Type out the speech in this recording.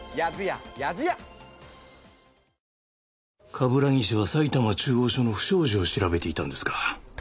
冠城氏は埼玉中央署の不祥事を調べていたんですか。